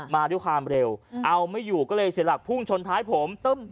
มาด้วยความเร็วเอาไม่อยู่ก็เลยเสียหลักพุ่งชนท้ายผม